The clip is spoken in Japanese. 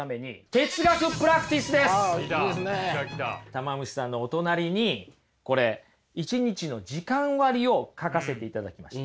たま虫さんのお隣にこれ一日の時間割を書かせていただきました。